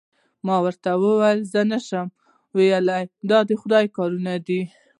ما ورته وویل: زه څه نه شم ویلای، د خدای کارونه دي.